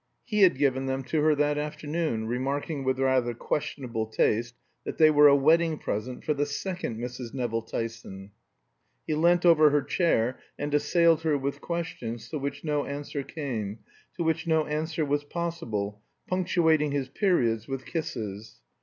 He had given them to her that afternoon, remarking, with rather questionable taste, that they were "a wedding present for the second Mrs. Nevill Tyson." He leant over her chair and assailed her with questions to which no answer came, to which no answer was possible, punctuating his periods with kisses.